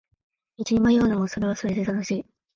道に迷うのもそれはそれで楽しい